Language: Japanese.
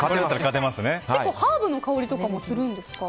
ハーブの香りとかもするんですか？